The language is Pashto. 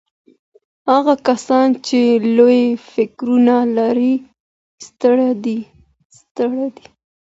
هغه کسان چي لوړ فکرونه لري ستر دي.